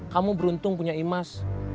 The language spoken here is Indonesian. kamu beruntung punya imas